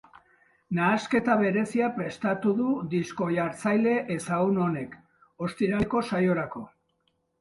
Nahasketa berezia prestatu du disko-jartzaile ezagun honek, ostiraleko saiorako.